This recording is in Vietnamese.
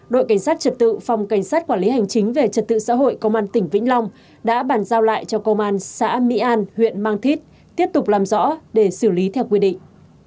đội cảnh sát trật tự phòng cảnh sát quản lý hành chính về trật tự xã hội công an tỉnh vĩnh long đã bàn giao lại cho công an xã mỹ an huyện mang thít tiếp tục làm rõ để xử lý theo quy định